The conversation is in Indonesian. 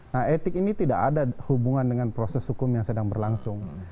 nah etik ini tidak ada hubungan dengan proses hukum yang sedang berlangsung